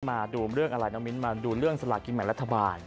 มาดูเรื่องอะไรน้องมิ้นมาดูเรื่องสลากินแบ่งรัฐบาล